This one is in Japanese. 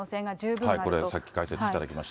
これ、さっき解説していただきました。